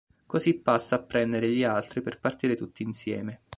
Così passa a prendere gli altri per partire tutti insieme.